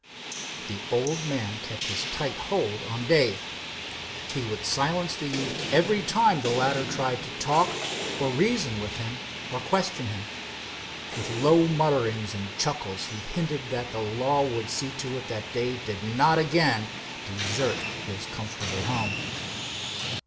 The old man kept his tight hold on Dave. He would silence the youth every time the latter tried to talk or reason with him or question him. With low mutterings and chuckles he hinted that the law would see to it that Dave did not again "desert his comfortable home."